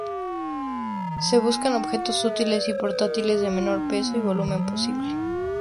Se buscan objetos útiles y portátiles, del menor peso y volumen posible.